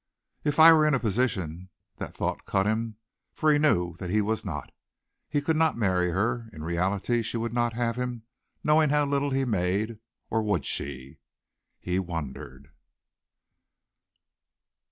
"If I were in a position " that thought cut him, for he knew that he was not. He could not marry her. In reality she would not have him knowing how little he made or would she? He wondered.